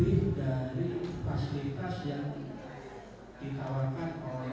ini saya sedikit yang saya tanyakan